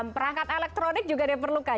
perangkat elektronik juga diperlukan